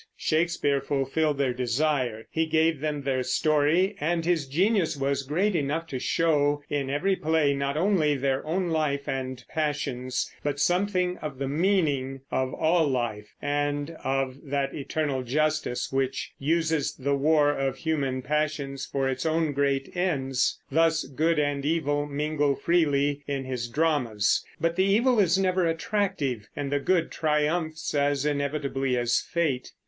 Shakespeare fulfilled their desire. He gave them their story, and his genius was great enough to show in every play not only their own life and passions but something of the meaning of all life, and of that eternal justice which uses the war of human passions for its own great ends. Thus good and evil mingle freely in his dramas; but the evil is never attractive, and the good triumphs as inevitably as fate.